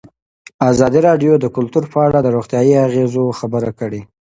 ازادي راډیو د کلتور په اړه د روغتیایي اغېزو خبره کړې.